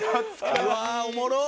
うわーおもろっ！